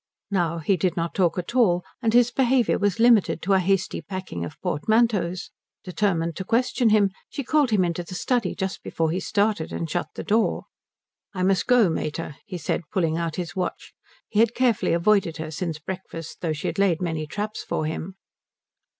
Now he did not talk at all, and his behaviour was limited to a hasty packing of portmanteaus. Determined to question him she called him into the study just before he started, and shut the door. "I must go mater," he said, pulling out his watch; he had carefully avoided her since breakfast though she had laid many traps for him.